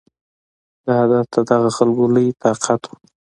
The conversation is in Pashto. دا عادت د دغه خلکو لوی طاقت و